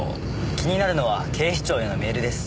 気になるのは警視庁へのメールです。